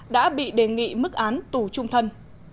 đã bị đề nghị mức án tù trung thân